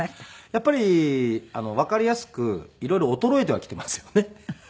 やっぱりわかりやすく色々衰えてはきていますよね。